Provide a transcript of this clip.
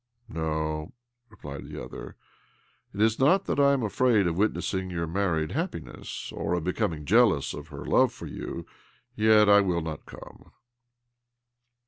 " No," ^replied the other. " It is not that I am afraid of witnessing your married happiness, or of becoming jealous of her love for you. Yet I will not come."